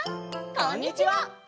こんにちは！